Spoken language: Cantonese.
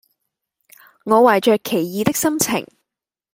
我懷著奇異的心情